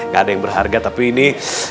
gak ada yang berharga tapi ini